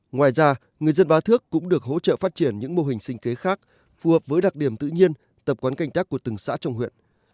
ngoài ra người dân bá thước cũng được hỗ trợ phát triển những mô hình sinh kế khác phù hợp với đặc điểm tự nhiên tập quán canh tác của từng xã trong huyện